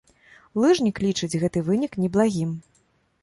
Лыжнік лічыць гэты вынік неблагім.